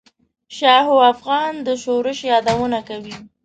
شاهو افغان د شورش یادونه کوي.